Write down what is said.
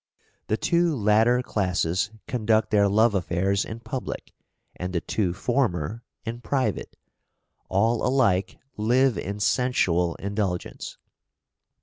The two latter classes conduct their love affairs in public, and the two former in private; all alike live in sensual indulgence."